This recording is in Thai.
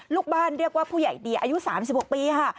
ลูกบ้านเรียกว่าผู้ใหญ่เดียอายุ๓๖ปีค่ะ